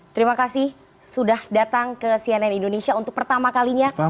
terima kasih sudah datang ke cnn indonesia untuk pertama kalinya